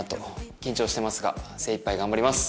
緊張してますが精いっぱい頑張ります！